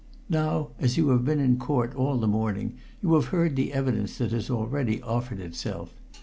Now, as you have been in Court all the morning, you have heard the evidence that has already offered itself.